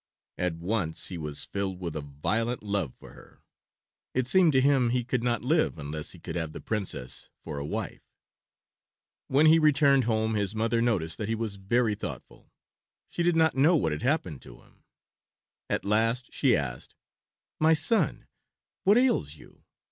At once he was filled with a violent love for her. It seemed to him he could not live unless he could have the Princess for a wife. When he returned home his mother noticed that he was very thoughtful. She did not know what had happened to him. At last she asked, "My son, what ails you?